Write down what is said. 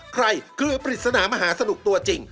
เครือปริศนามหาสนุกตัวจริง